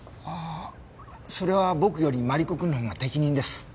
ああそれは僕よりマリコ君のほうが適任です。